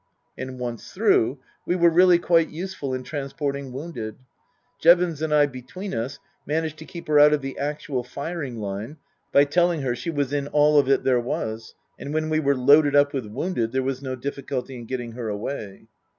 And once through, we were really quite useful in transporting wounded. Jevons and I between us managed to keep her out of the actual firing line by telling her she was in all of it there was ; and when we were loaded up with wounded there was no difficulty in getting her away.